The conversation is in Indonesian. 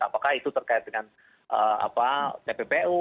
apakah itu terkait dengan tppu